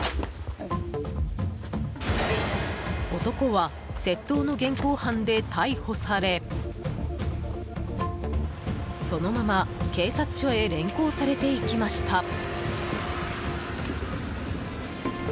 男は窃盗の現行犯で逮捕されそのまま警察署へ連行されていきました。